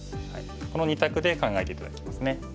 この２択で考えて頂きますね。